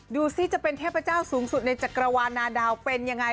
ดูสิจะเป็นเทพเจ้าสูงสุดในจักรวาลนาดาวเป็นยังไง